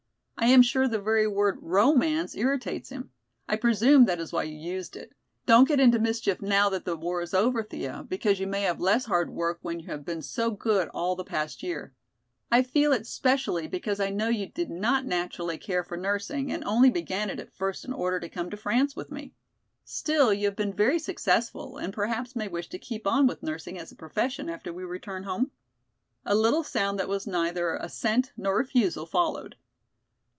I am sure the very word romance irritates him. I presume that is why you used it. Don't get into mischief now that the war is over, Thea, because you may have less hard work when you have been so good all the past year. I feel it specially because I know you did not naturally care for nursing and only began it at first in order to come to France with me. Still you have been very successful and perhaps may wish to keep on with nursing as a profession after we return home?" A little sound that was neither assent nor refusal followed.